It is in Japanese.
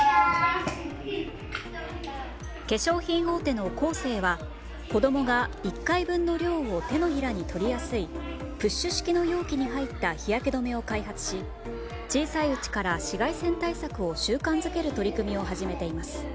化粧品大手のコーセーは子供が１回分の量を手のひらに取りやすいプッシュ式の容器に入った日焼け止めを開発し小さいうちから紫外線対策を習慣づける取り組みを始めています。